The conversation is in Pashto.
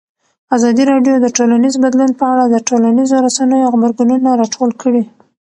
ازادي راډیو د ټولنیز بدلون په اړه د ټولنیزو رسنیو غبرګونونه راټول کړي.